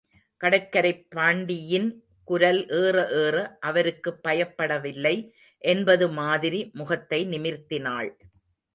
கடற்கரைப் பாண்டியின் குரல் ஏற ஏற, அவருக்கு பயப்படவில்லை என்பதுமாதிரி முகத்தை நிமிர்த்தினாள்.